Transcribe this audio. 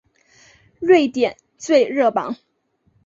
瑞典最热榜。